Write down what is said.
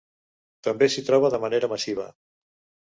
També s'hi troba de manera massiva.